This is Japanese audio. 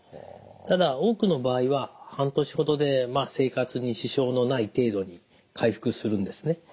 ただ多くの場合は半年ほどでまあ生活に支障のない程度に回復するんですね。